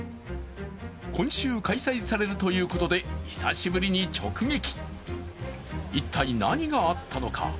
今週、開催されるということで久しぶりに直撃、一体何があったのか。